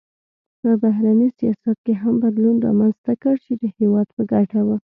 په بهرني سیاست کې هم بدلون رامنځته کړ چې د هېواد په ګټه و.